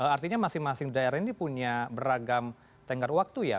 artinya masing masing daerah ini punya beragam tenggar waktu ya